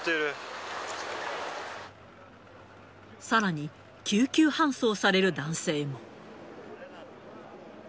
さらに、救急搬送される男性も。